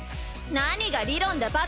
何が理論だ。